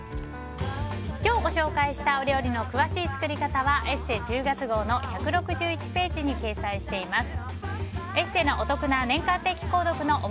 今日ご紹介したお料理の詳しい作り方は「ＥＳＳＥ」１０月号の１６１ページに掲載しています。